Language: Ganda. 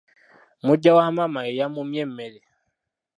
Muggya wamaama we yamummye emmere.